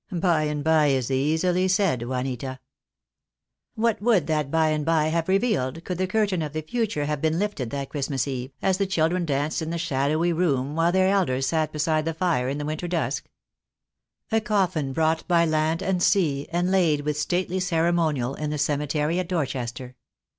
"By and by is easily said, Juanita." What would that by and by have revealed could the curtain of the Future have been lifted that Christmas Eve, as the children danced in the shadowy room while their elders sat beside the fire in the winter dusk? A coffin brought by land and sea, and laid with stately ceremonial in the cemetery at Dorchester.